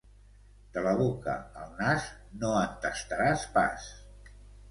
De la boca al nas, no en tastaràs pas.